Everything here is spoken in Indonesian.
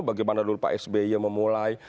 bagaimana dulu pak sby memulai